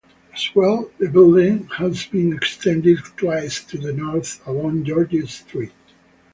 As well, the building has been extended twice to the north, along George Street.